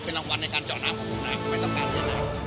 โปรดติดตามตอนต่อไป